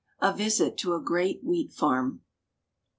A VISIT TO A GREAT WHEAT FARM.